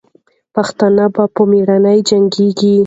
پښتانه به په میړانې جنګېږي.